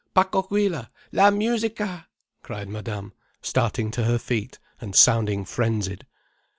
Pacohuila, la musica!" cried Madame, starting to her feet and sounding frenzied.